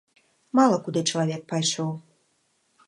Мала куды чалавек пайшоў.